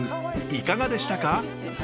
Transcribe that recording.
いかがでしたか？